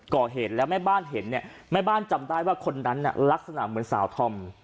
ก่อเหตุแล้วแม่บ้านเห็นเนี่ยแม่บ้านจำได้ว่าคนนั้นน่ะลักษณะเหมือนสาวธอม